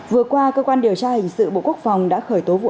vừa qua cơ quan điều tra hình sự bộ quốc phòng đã khởi tố vụ án